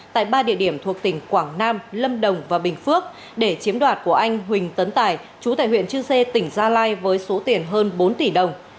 tại ba địa điểm thuộc tỉnh quảng nam lâm đồng và bình phước để chiếm đoạt của anh huỳnh tấn tài chú tại huyện chư sê tỉnh gia lai với số tiền hơn bốn tỷ đồng